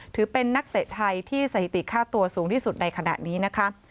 ถือเป็นนักเตะไทยที่สถิติค่าตัวสูงที่สุดในขณะนี้นะคะ